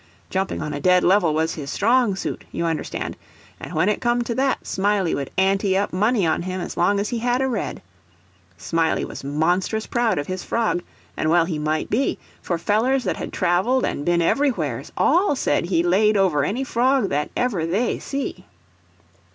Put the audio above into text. Jumping on a dead level was his strong suit, you understand; and when it come to that, Smiley would ante up money on him as long as he had a red. Smiley was monstrous proud of his frog, and well he might be, for fellers that had traveled and been everywheres, all said he laid over any frog that ever they see.